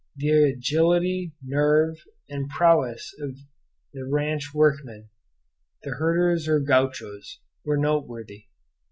The agility, nerve, and prowess of the ranch workmen, the herders or gauchos, were noteworthy.